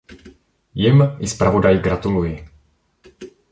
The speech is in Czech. Jim i zpravodaji gratuluji.